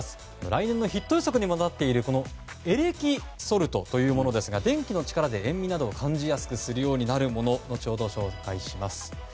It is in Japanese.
来年のヒット予測になっているエレキソルトというものですが電気の力で塩味など感じやすくなるもの後ほど紹介します。